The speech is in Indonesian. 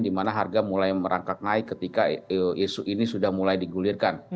dimana harga mulai merangkak naik ketika isu ini sudah mulai digulirkan